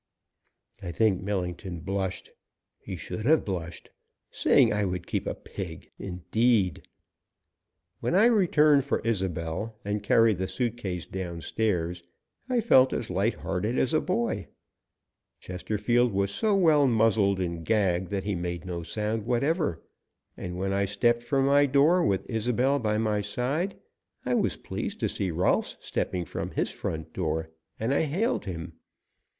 I think Millington blushed. He should have blushed. Saying I would keep a pig, indeed! When I returned for Isobel and carried the suit case downstairs I felt as light hearted as a boy. Chesterfield was so well muzzled and gagged that he made no sound whatever, and when I stepped from my door, with Isobel by my side, I was pleased to see Rolfs stepping from his front door, and I hailed him.